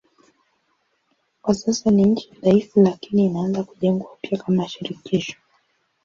Kwa sasa ni nchi dhaifu lakini inaanza kujengwa upya kama shirikisho.